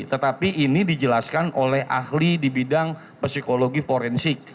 tetapi ini dijelaskan oleh ahli di bidang psikologi forensik